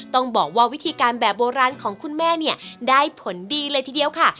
ต้องบอกว่าวิธีการแบบโบราณของคุณแม่เนี่ยได้ผลดีเลยทีเดียวค่ะ